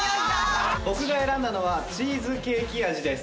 僕が選んだのはチーズケーキ味です。